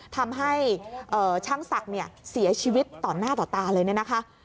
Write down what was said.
ทำให้ช่างศักดิ์เสียชีวิตต่อหน้าต่อตาเลยนะคะ